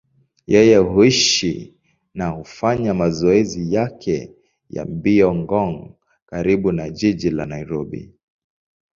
Yeye huishi na hufanya mazoezi yake ya mbio Ngong, karibu na jiji la Nairobi.